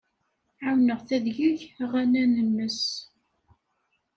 Ɛawneɣ-t ad yeg aɣanen-nnes.